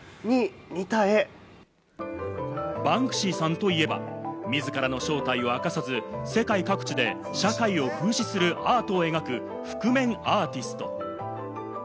バンクシーさんといえば、自らの正体を明かさず、世界各地で社会を風刺するアートを描く覆面アーティスト。